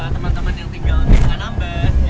teman teman yang tinggal di anambas